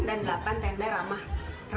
dan delapan tenda ramah remaja